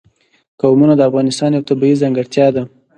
قومونه د افغانستان یوه طبیعي ځانګړتیا ده.